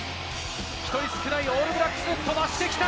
１人少ないオールブラックス、飛ばしてきた。